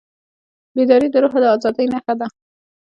بیداري د روح د ازادۍ نښه ده.